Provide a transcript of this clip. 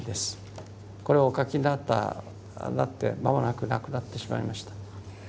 これをお描きになって間もなく亡くなってしまいました。